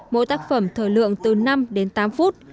mỗi tác phẩm thời lượng từ năm đến tám phút